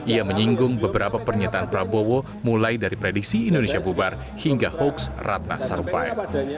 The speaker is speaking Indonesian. ia menyinggung beberapa pernyataan prabowo mulai dari prediksi indonesia bubar hingga hoax ratna sarumpait